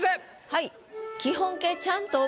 はい。